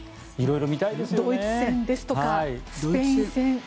ドイツ戦ですとかスペイン戦。